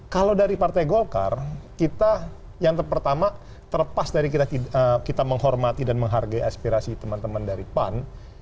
kalau dari partai golkar kita yang pertama terlepas dari kita menghormati dan menghargai aspirasi teman teman dari pan